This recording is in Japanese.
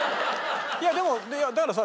いやでもだからさ。